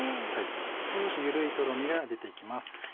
少し緩いトロミが出て来ます。